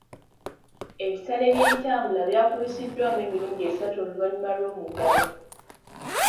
Ebisale by'entambula byakubisiddwamu emirundi esatu oluvannyuma lw'omuggalo.